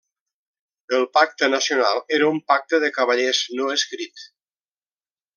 El Pacte Nacional era un pacte de cavallers no escrit.